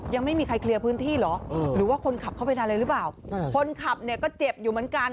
ยังไม่มีใครเคลียร์พื้นที่เหรอหรือว่าคนขับเข้าไปนานเลยหรือเปล่าคนขับเนี่ยก็เจ็บอยู่เหมือนกัน